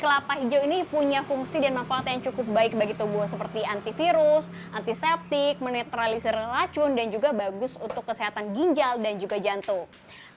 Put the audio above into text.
kelapa hijau ini punya fungsi dan manfaat yang cukup baik bagi tubuh seperti antivirus antiseptik menetralisir racun dan juga bagus untuk kesehatan ginjal dan juga jantung